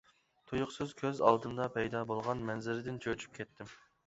تۇيۇقسىز كۆز ئالدىمدا پەيدا بولغان مەنزىرىدىن چۆچۈپ كەتتىم.